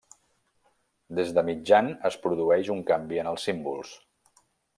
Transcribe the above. Des de mitjan es produeix un canvi en els símbols.